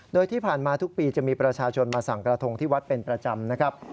โดยที่ผ่านมาทุกปีจะมีประชาชนมาสั่งกระทงที่วัดเป็นประจำนะครับ